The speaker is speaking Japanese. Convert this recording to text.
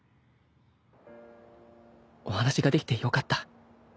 お話ができてよかった。